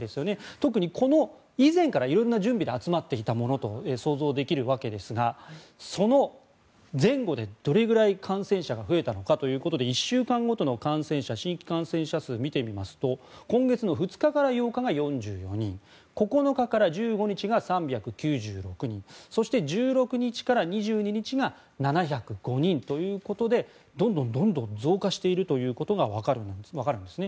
特にこの以前から色んな準備で集まっていたものと想像できるわけですがその前後で、どれぐらい感染者が増えたのかということで１週間ごとの新規感染者数を見てみますと今月２日から８日が４４人９日から１５日が３９６人そして１６日から２２日が７０５人ということでどんどん増加しているということがわかるんですね。